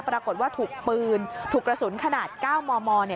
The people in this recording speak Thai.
ปรากฏว่าถูกปืนถูกกระสุนขนาด๙มมเนี่ย